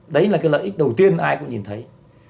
đấy là cái lợi ích đầu tiên ai cũng nhìn thấy